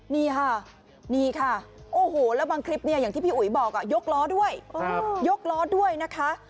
นี่ค่ะโอหัวแล้วบางคลิปเนี่ยอย่างที่พี่อุ้ยบอกจรับยกล้อด้วยนะคะ